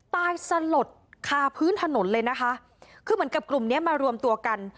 สลดคาพื้นถนนเลยนะคะคือเหมือนกับกลุ่มเนี้ยมารวมตัวกัน